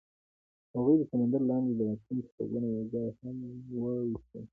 هغوی د سمندر لاندې د راتلونکي خوبونه یوځای هم وویشل.